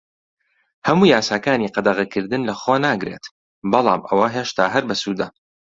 هەموو یاساکانی قەدەغەکردن لەخۆ ناگرێت، بەڵام ئەوە هێشتا هەر بەسوودە.